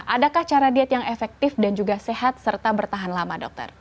adakah cara diet yang efektif dan juga sehat serta bertahan lama dokter